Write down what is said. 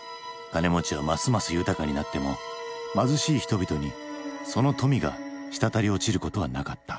金持ちはますます豊かになっても貧しい人々にその富が滴り落ちることはなかった。